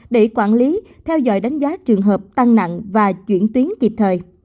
để quản lý theo dõi đánh giá trường hợp tăng nặng và chuyển tuyến kịp thời